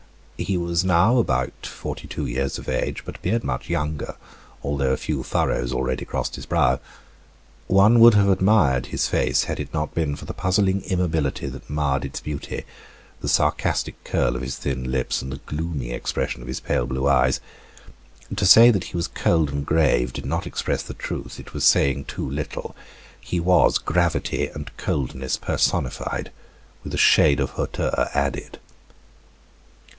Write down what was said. He was now about forty two years of age, but appeared much younger, although a few furrows already crossed his brow. One would have admired his face, had it not been for the puzzling immobility that marred its beauty, the sarcastic curl of his thin lips, and the gloomy expression of his pale blue eyes. To say that he was cold and grave, did not express the truth, it was saying too little. He was gravity and coldness personified, with a shade of hauteur added.